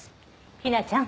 陽菜ちゃん。